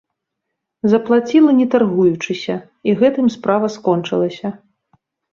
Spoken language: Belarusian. Заплаціла не таргуючыся, і гэтым справа скончылася.